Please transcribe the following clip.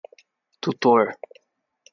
tutor